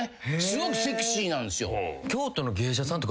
すごくセクシーなんすよ。